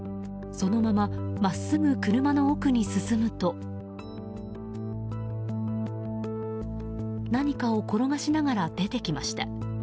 そのまま真っすぐ車の奥に進むと何かを転がしながら出てきました。